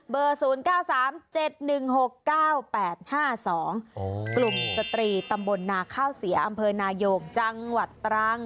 ๐๙๓๗๑๖๙๘๕๒กลุ่มสตรีตำบลนาข้าวเสียอำเภอนายกจังหวัดตรัง